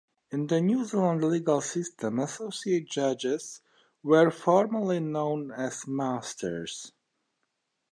In the New Zealand legal system, Associate Judges were formerly known as Masters.